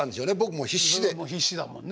もう必死だもんね。